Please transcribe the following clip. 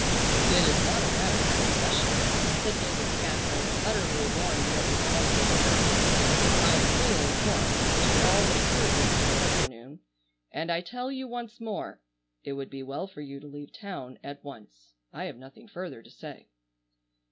"It is not a matter for discussion!" said David Spafford, utterly ignoring the other's blustering words. "I am fully informed as to all that occurred yesterday afternoon, and I tell you once more, it would be well for you to leave town at once. I have nothing further to say."